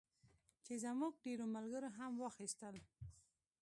چې زموږ ډېرو ملګرو هم واخیستل.